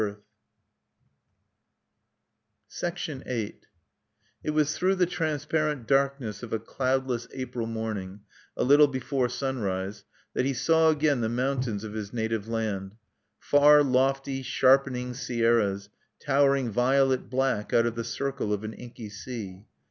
ALFRED RUSSEL WALLACE VIII It was through the transparent darkness of a cloudless April morning, a little before sunrise, that he saw again the mountains of his native land, far lofty sharpening sierras, towering violet black out of the circle of an inky sea.